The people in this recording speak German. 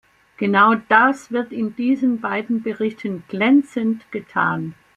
Genau das wird in diesen beiden Berichten glänzend getan.